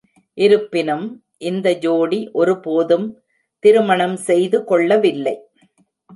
இருப்பினும், இந்த ஜோடி ஒருபோதும் திருமணம் செய்து கொள்ளவில்லை.